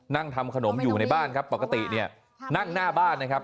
นั่งทำขนมอยู่ในบ้านครับปกติเนี่ยนั่งหน้าบ้านนะครับ